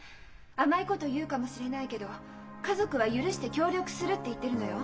甘いこと言うかもしれないけど家族は「許して協力する」って言ってるのよ。